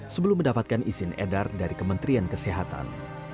sebelum mendapatkan izin edar dari kementerian kesehatan